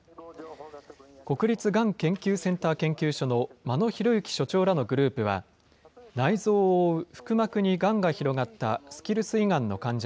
国立がん研究センター研究所の間野博行所長らのグループは、内臓を覆う腹膜にがんが広がったスキルス胃がんの患者